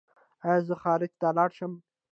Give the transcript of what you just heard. ایا زه خارج ته لاړ شم؟